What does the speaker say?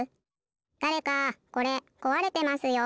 だれかこれこわれてますよ。